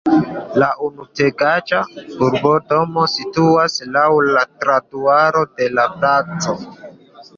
La unuetaĝa urbodomo situas laŭ trotuaro de la placo.